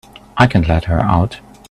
I can't let her out.